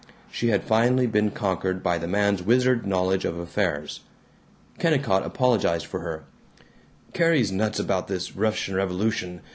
She had finally been conquered by the man's wizard knowledge of affairs. Kennicott apologized for her: "Carrie's nuts about this Russian revolution.